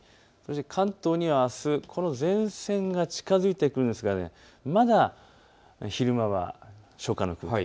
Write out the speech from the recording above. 関東にはあすこの前線が近づいてくるんですがまだ昼間は初夏の空気。